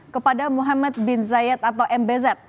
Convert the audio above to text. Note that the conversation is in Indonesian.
kepada muhammad bin zayed atau mbz